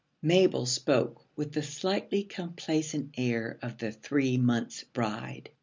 Mabel spoke with the slightly complacent air of the three months' bride.